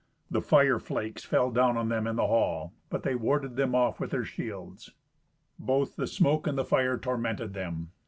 The fire flakes fell down on them in the hall, but they warded them off with their shields. Both the smoke and the fire tormented them.